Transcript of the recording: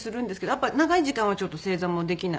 やっぱり長い時間はちょっと正座もできない。